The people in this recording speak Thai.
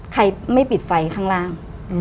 ใครไม่ปิดไฟข้างล่าง